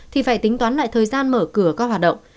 thì phải tính toán lại thời gian mở cửa các hoạt động